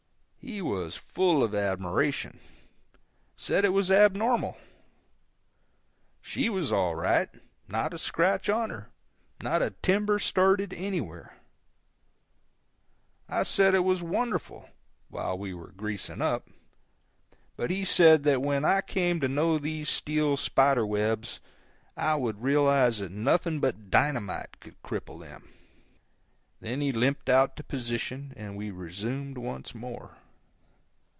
He was full of surprised admiration; said it was abnormal. She was all right, not a scratch on her, not a timber started anywhere. I said it was wonderful, while we were greasing up, but he said that when I came to know these steel spider webs I would realize that nothing but dynamite could cripple them. Then he limped out to position, and we resumed once more.